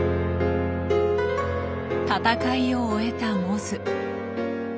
戦いを終えたモズ。